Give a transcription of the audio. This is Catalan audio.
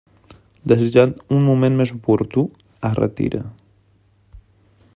Desitjant un moment més oportú, es retira.